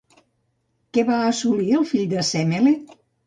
Què va assolir el fill de Sèmele?